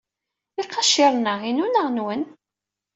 Iqaciren-a inu neɣ nwent?